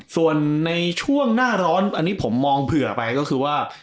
ส่วนในช่วงหน้าร้อนอันนี้ผมมองเผื่อไปก็คือว่า